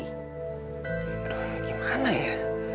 aduh gimana ya